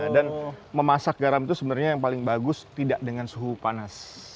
dan memasak garam itu sebenarnya yang paling bagus tidak dengan suhu panas